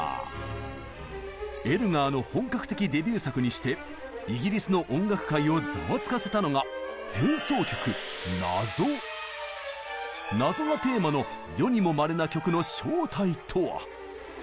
エルガーの本格的デビュー作にしてイギリスの音楽界をざわつかせたのが「謎」がテーマの世にもまれな曲の正体とは？